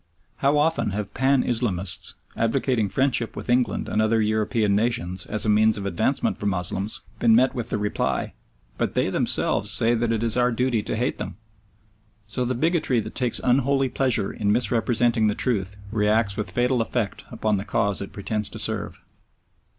How often have Pan Islamists, advocating friendship with England and other European nations as a means of advancement for Moslems, been met with the reply, "But they themselves say that it is our duty to hate them"! So the bigotry that takes unholy pleasure in misrepresenting the truth reacts with fatal effect upon the cause it pretends to serve.